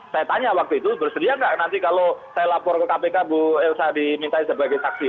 saya tanya waktu itu bersedia nggak nanti kalau saya lapor ke kpk bu elsa diminta sebagai saksi